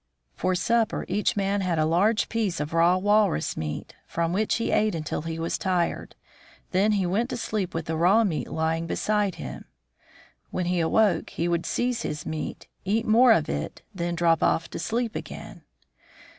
For supper each man had a large piece of raw walrus meat, from which he ate until he was tired. Then he went to sleep with the raw meat lying beside him. When he awoke he would seize his meat, eat more of it, then drop off to sleep again.